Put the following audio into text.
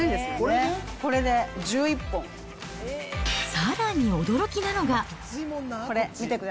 さらに、驚きなのが。